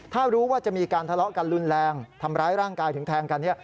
ถ้ารู้ว่าจะมีการทะเลาะกันรุนแรงทำร้ายร่างกายถึงแทงกันเนี่ย